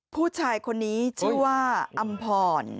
ผู้ชายคนนี้ชื่อว่าอำพร